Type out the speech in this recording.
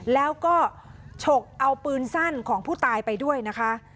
แล้วก็ฉกเอาปืนสั้นของผู้ตายไปด้วยนะคะ